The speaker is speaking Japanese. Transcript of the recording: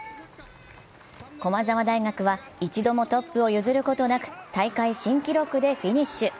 駒沢大学は一度もトップを譲ることなく大会新記録でフィニッシュ。